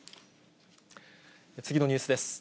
次のニュースです。